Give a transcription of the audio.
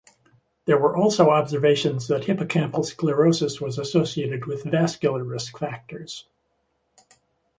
There were also observations that hippocampal sclerosis was associated with vascular risk factors.